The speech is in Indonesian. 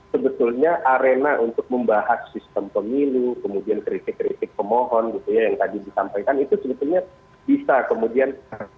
sebetulnya arena untuk membahas sistem pemilu kemudian kritik kritik pemohon gitu ya yang tadi disampaikan itu sebetulnya bisa kemudian